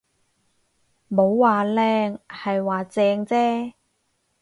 冇話靚，係話正啫